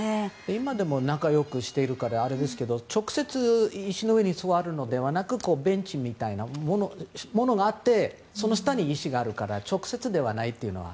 今でも仲良くしているからあれですけど直接、石の上に座るのではなくベンチみたいなものがあってその下に石があるから直接ではないというのは。